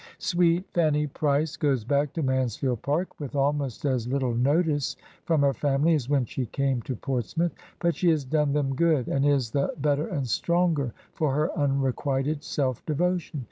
Sweet Fanny Price goes back to Mansfield Park with almost as little notice from her family as when she came to Portsmouth; but she has done them good, and is the better and stronger for her unrequited self devotion.